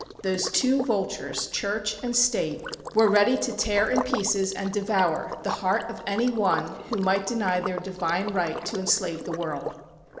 Those two vultures Church and State were ready to tear in pieces and devour the heart of any one who might deny their divine right to enslave the world.